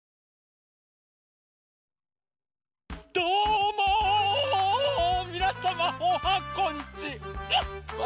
どうもみなさまおはこんちワン！